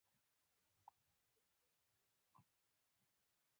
هغه نشي کولای خپل استعدادونه فعلیت ته ورسوي.